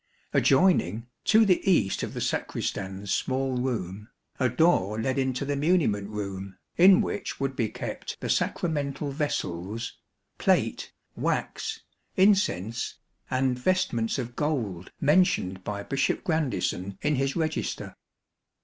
Adjoining, to the east of the sacristan's small room, a door led into the muniment room, in which would be kept the sacramental vessels, plate, wax, incense, and vestments of gold mentioned by Bishop Grandisson in his register.